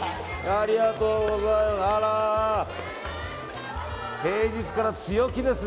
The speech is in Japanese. ありがとうございます。